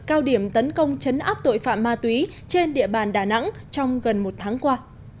cao điểm tấn công chấn áp tội phạm ma túy trên địa bàn đà nẵng trong gần một tháng qua